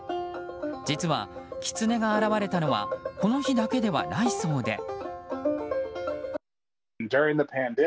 実は、キツネが現れたのはこの日だけではないそうで。